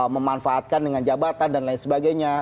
memanfaatkan dengan jabatan dan lain sebagainya